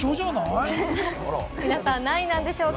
皆さん、何位なんでしょうか？